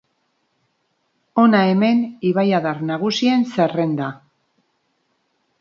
Hona hemen ibaiadar nagusien zerrenda.